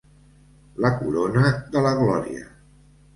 La corona de la glòria.